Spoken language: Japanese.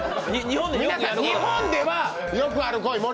皆さん、日本ではよくある行為。